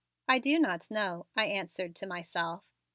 "I do not know," I answered to myself.